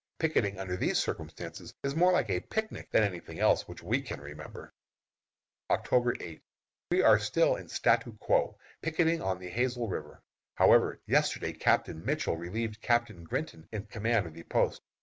Picketing under these circumstances is more like a picnic than any thing else which we can remember. October 8. We are still in statu quo, picketing on the Hazel River. However, yesterday Captain Mitchell relieved Captain Grinton in command of the post.